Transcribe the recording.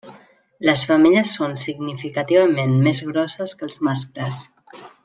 Les femelles són significativament més grosses que els mascles.